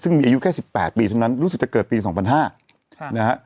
ซึ่งมีอายุแค่สิบแปดปีเท่านั้นรู้สึกจะเกิดปีสองพันห้าค่ะนะฮะ